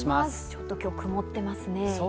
ちょっと今日、曇ってますね。